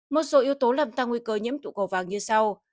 một số yếu tố làm tăng nguy cơ nhiễm tụ cầu vàng như sau